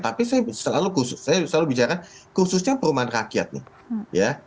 tapi saya selalu bicara khususnya perumahan rakyat nih